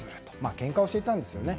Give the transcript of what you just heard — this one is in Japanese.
けんかをしていたんですよね。